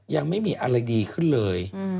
ยังไม่มีอะไรดีขึ้นเลย